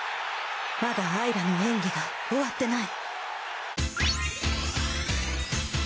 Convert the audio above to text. まだあいらの演技が終わってない！